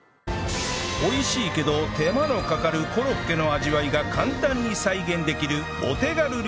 美味しいけど手間のかかるコロッケの味わいが簡単に再現できるお手軽料理